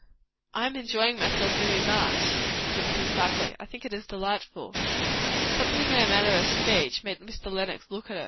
"I am enjoying myself very much," said Mrs. Barclay. "I think it is delightful." Something in her manner of speech made Mr. Lenox look at her.